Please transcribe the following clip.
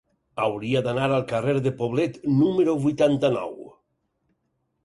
Hauria d'anar al carrer de Poblet número vuitanta-nou.